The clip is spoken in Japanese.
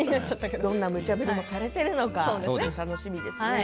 どんなむちゃ振りをされているのか楽しみですね。